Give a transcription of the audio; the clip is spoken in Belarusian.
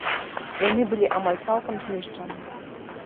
Яны былі амаль цалкам знішчаны.